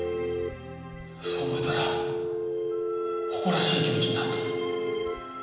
そう思えたら誇らしい気持ちになって。